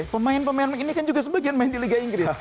pemain pemain ini kan juga sebagian main di liga inggris